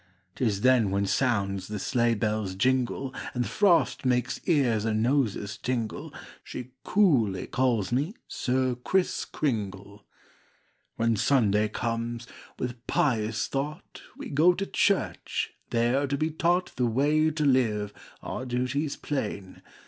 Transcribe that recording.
'Tis then when sounds the sleigh bell's jingle And the frost makes ears and noses tingle, She coolly calls me 'Sir Kriss Kringle.'" Copyrighted, 18U7 c^^aHEN Sunday comes, with pious thought We go to church, there to be taught The way to live, our duties plain.